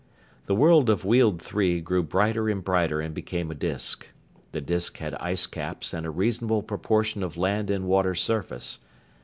The world of Weald Three grew brighter and brighter and became a disk. The disk had icecaps and a reasonable proportion of land and water surface.